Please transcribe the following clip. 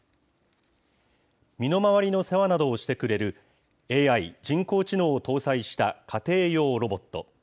身の回りの世話などをしてくれる、ＡＩ・人工知能を搭載した家庭用ロボット。